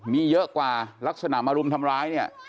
มีเยอะกว่าลักษณะมารุมทำร้ายเนี่ย